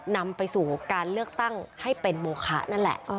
นำไปสู่การเลือกตั้งให้เป็นโมคะนั่นแหละ